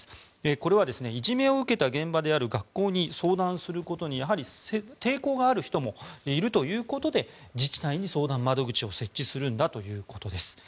これはいじめを受けた現場である学校に相談することにやはり抵抗がある人もいるということで自治体に相談窓口を設置するんだということです。